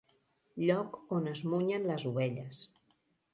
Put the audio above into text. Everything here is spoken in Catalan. Lloc on es munyen les ovelles.